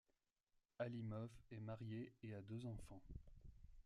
Alimov est marié et a deux enfants.